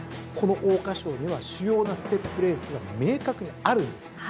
この桜花賞には主要なステップレースが明確にあるんです。